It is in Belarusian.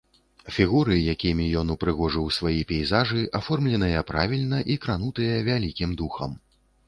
Фігуры, якімі ён упрыгожыў сваі пейзажы, аформленыя правільна, і кранутыя вялікім духам.